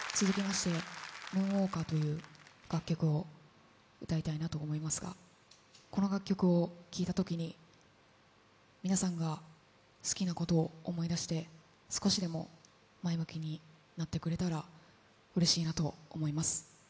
続きまして「ＭｏｏｎＷａｌｋｅｒ」という楽曲を歌いたいなと思いますがこの楽曲を聴いたときに皆さんが好きなことを思い出して少しでも前向きになってくれたらうれしいなと思います。